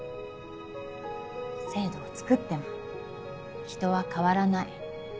制度をつくっても人は変わらない。